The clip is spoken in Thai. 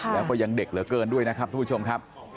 แล้วก็ยังเด็กเหลือเกินด้วยนะครับทุกผู้ชมครับ